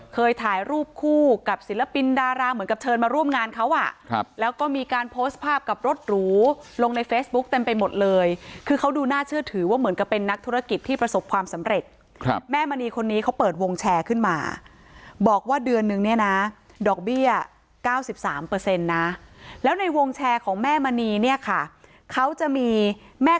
เคยถ่ายรูปคู่กับศิลปินดาราเหมือนกับเชิญมาร่วมงานเขาอ่ะครับแล้วก็มีการโพสต์ภาพกับรถหรูลงในเฟซบุ๊คเต็มไปหมดเลยคือเขาดูน่าเชื่อถือว่าเหมือนกับเป็นนักธุรกิจที่ประสบความสำเร็จครับแม่มณีคนนี้เขาเปิดวงแชร์ขึ้นมาบอกว่าเดือนนึงเนี่ยนะดอกเบี้ย๙๓เปอร์เซ็นต์นะแล้วในวงแชร์ของแม่มณีเนี่ยค่ะเขาจะมีแม่